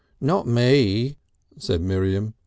"Not me," said Miriam.